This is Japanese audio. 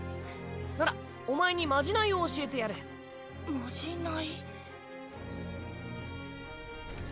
ならお前にまじないを教えまじない？